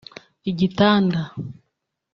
igitanda